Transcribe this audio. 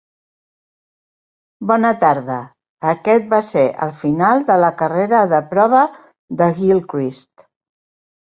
Bona tarda. Aquest va ser el final de la carrera de prova de Gilchrist.